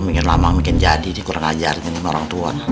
minggu lama mungkin jadi nih kurang ajarin sama orang tua